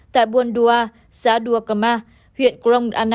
tại buôn đua xã đua cà ma huyện crong anna